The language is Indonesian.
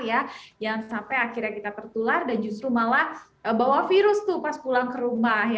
jangan sampai akhirnya kita tertular dan justru malah bawa virus tuh pas pulang ke rumah